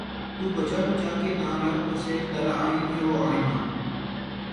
تو بچا بچا کے نہ رکھ اسے ترا آئنہ ہے وہ آئنہ